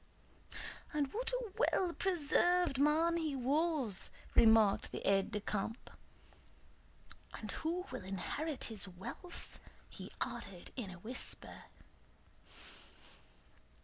"And what a well preserved man he was!" remarked the aide de camp. "And who will inherit his wealth?" he added in a whisper.